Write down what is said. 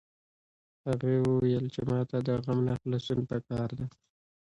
هغې وویل چې ما ته د غم نه خلاصون په کار ده